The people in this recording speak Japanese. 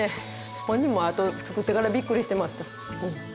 本人もあと造ってからビックリしてました。